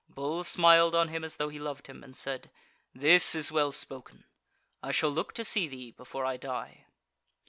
Bull smiled on him as though he loved him, and said: "This is well spoken; I shall look to see thee before I die."